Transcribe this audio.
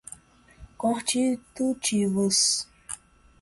constitutivas